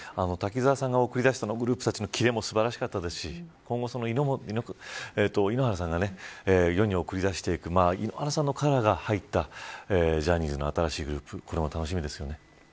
滝沢さんが送り出したグループのキレも素晴らしかったですし今後、井ノ原さんが世に送り出していく井ノ原さんのカラーが入ったジャニーズの新しいグループ楽しみです。